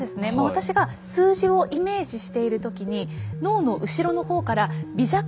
私が数字をイメージしている時に脳の後ろの方から微弱な電気信号